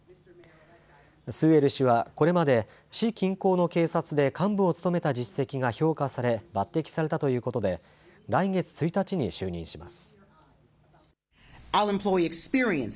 スーエル氏はこれまで市近郊の警察で幹部を務めた実績が評価され抜てきされたということで来月１日に就任します。